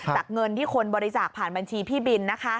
เงินที่คนบริจาคผ่านบัญชีพี่บิน